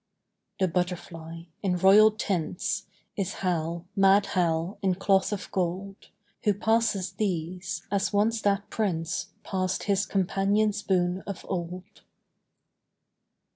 The butterfly, in royal tints, Is Hal, mad Hal in cloth of gold, Who passes these, as once that Prince Passed his companions boon of old.